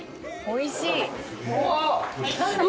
おいしい！